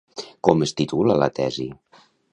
Com es titula la tesi?